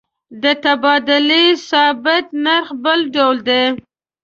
د تبادلې ثابت نرخ بل ډول دی.